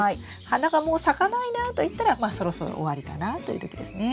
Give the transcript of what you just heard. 花がもう咲かないなといったらまあそろそろ終わりかなという時ですね。